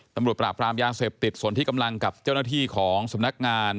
ตำรวจปราบรามยาเสพติดส่วนที่กำลังกับเจ้าหน้าที่ของสำนักงาน